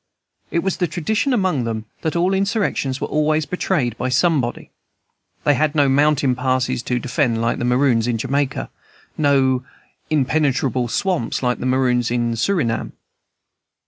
It was the tradition among them that all insurrections were always betrayed by somebody. They had no mountain passes to defend like the Maroons of Jamaica, no unpenetrable swamps, like the Maroons of Surinam.